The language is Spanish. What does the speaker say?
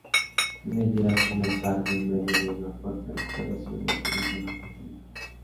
Meyer asumió el cargo en medio de una fuerte recuperación del turismo en Argentina.